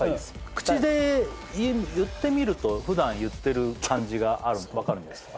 口で言ってみると普段言ってる感じが分かるんじゃないですか